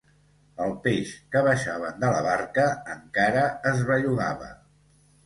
El peix que baixaven de la barca encara es bellugava